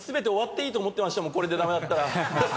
これで駄目だったら。